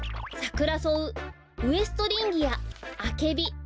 サクラソウウエストリンギアアケビ。